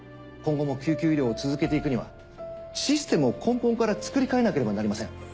今後も救急医療を続けていくにはシステムを根本から作り替えなければなりません。